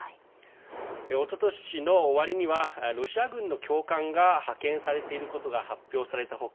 おととしの終わりにはロシア軍の教官が派遣されていることが発表された他